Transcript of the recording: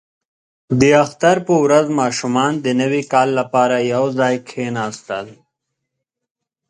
• د اختر په ورځ ماشومان د نوي کال لپاره یو ځای کښېناستل.